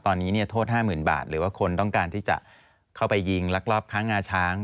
ตอนนี้โทษ๕๐๐๐บาทหรือว่าคนต้องการที่จะเข้าไปยิงลักลอบค้างงาช้าง